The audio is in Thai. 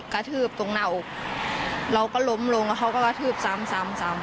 กระทืบตรงหน้าอกเราก็ล้มลงแล้วเขาก็กระทืบซ้ำซ้ำซ้ำ